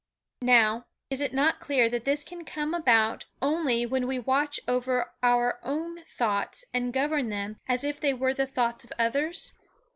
Now, is it not clear that this can come about only when we watch over our own thoughts and govern them as if they were the thoughts of others?